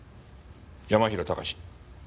山平隆志。